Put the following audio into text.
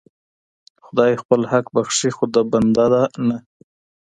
خدای خپل حق بخښي خو د بندې نه.